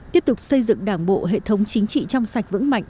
tiếp tục xây dựng đảng bộ hệ thống chính trị trong sạch vững mạnh